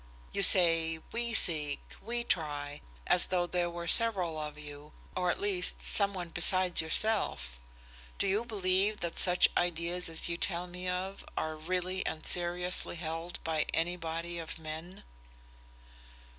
You say 'we seek,' 'we try,' as though there were several of you, or at least, some one besides yourself. Do you believe that such ideas as you tell me of are really and seriously held by any body of men?"